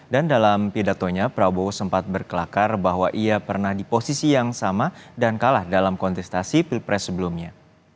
dan dalam pidatonya prabowo sempat berkelakar bahwa ia pernah di posisi yang sama dan kalah dalam kontestasi pilpres sebelumnya